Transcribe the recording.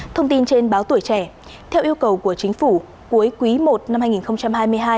thông tin trên báo tuổi trẻ theo yêu cầu của chính phủ cuối quý i năm hai nghìn hai mươi hai